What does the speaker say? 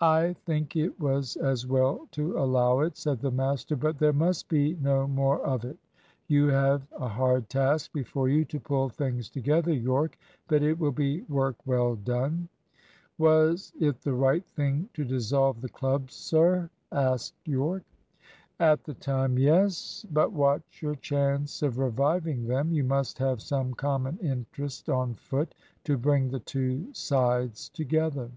"I think it was as well to allow it," said the master, "but there must be no more of it. You have a hard task before you to pull things together, Yorke, but it will be work well done." "Was it the right thing to dissolve the clubs, sir?" asked Yorke. "At the time, yes. But watch your chance of reviving them. You must have some common interest on foot, to bring the two sides together."